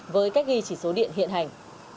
với cách ghi chỉ số điện hiện hành